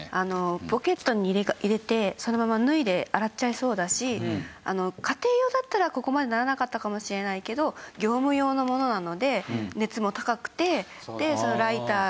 ポケットに入れてそのまま脱いで洗っちゃいそうだし家庭用だったらここまでならなかったかもしれないけど業務用のものなので熱も高くてライターがその影響で。